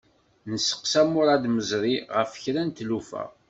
Nesteqsa Murad Mezri ɣef kra n tlufa.